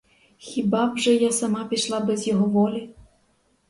Хіба б же я сама пішла без його волі?